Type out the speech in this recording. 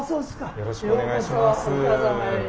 よろしくお願いします。